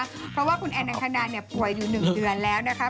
เพราะว่าคุณแอนอังคณาเนี่ยป่วยอยู่๑เดือนแล้วนะคะ